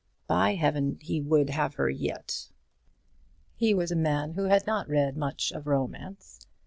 By heaven, he would have her yet! He was a man who had not read much of romance.